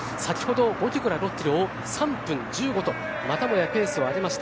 ５キロから６キロを３分１５とまたもやペースを上げました。